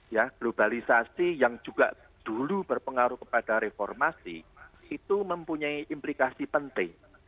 ya globalisasi yang juga dulu berpengaruh kepada reformasi itu mempunyai implikasi penting